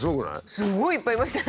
すごいいっぱいいましたね。